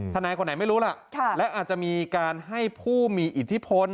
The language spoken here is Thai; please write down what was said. ทนายคนไหนไม่รู้ล่ะและอาจจะมีการให้ผู้มีอิทธิพล